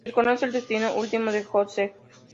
Se desconoce el destino último de Yosef.